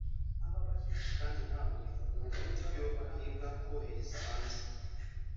kandi nawe uba ufite ibyo uhinga wohereza hanze